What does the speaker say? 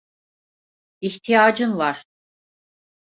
İhtiyacın var.